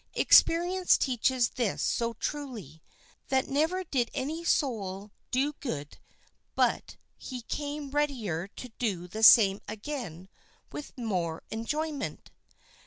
Experience teaches this so truly, that never did any soul do good but he came readier to do the same again with more enjoyment.